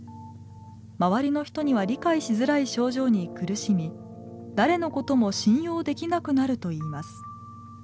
周りの人には理解しづらい症状に苦しみ誰のことも信用できなくなるといいます。